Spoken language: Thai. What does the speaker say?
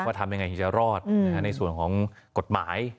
ทำยังไงถึงจะรอดในส่วนของกฎหมาย